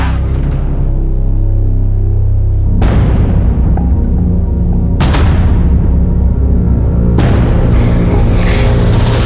ได้